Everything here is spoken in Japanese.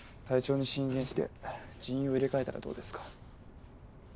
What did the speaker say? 隊長に進言して人員を入れ替えたらどうですか？